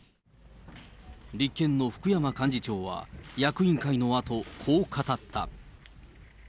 立憲の福山幹事長は、役員会のあと、こう語った。